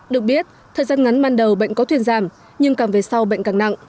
được biết thời gian ngắn ban đầu bệnh có thuyền giảm nhưng càng về sau bệnh càng nặng